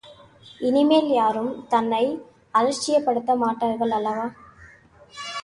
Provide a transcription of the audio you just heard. இனிமேல் யாரும் தன்னை அலட்சியப் படுத்த மாட்டார்கள் அல்லவா?